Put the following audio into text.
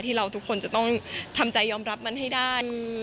เราทุกคนจะต้องทำใจยอมรับมันให้ได้